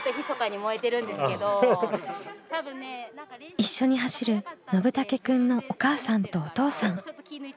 一緒に走るのぶたけくんのお母さんとお父さん。